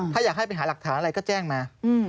ถ้าอยากให้ไปหาหลักฐานอะไรก็แจ้งมา